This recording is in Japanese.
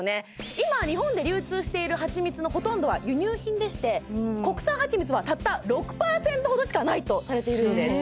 今日本で流通しているはちみつのほとんどは輸入品でして国産はちみつはたった６％ほどしかないとされているんです